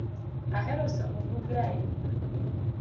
Ahero somo buge ahinya